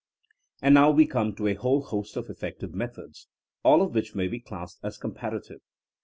And now we come to a whole host of effective methods, all of which may be classed as com parative.